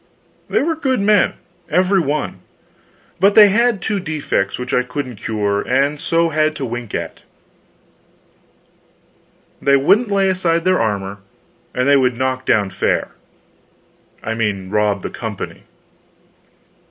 They were good men, every one, but they had two defects which I couldn't cure, and so had to wink at: they wouldn't lay aside their armor, and they would "knock down" fare I mean rob the company.